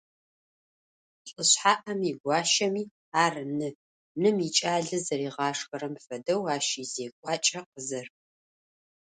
Лӏышъхьаӏэм игуащэми - ар ны, ным икӏалэ зэригъашхэрэм фэдэу ащ изекӏуакӏэ къызэрыкӏу.